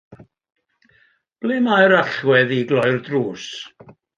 Ble mae'r allwedd i gloi'r drws?